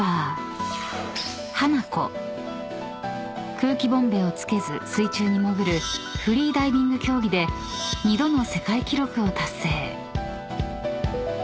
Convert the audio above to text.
［空気ボンベを付けず水中に潜るフリーダイビング競技で２度の世界記録を達成］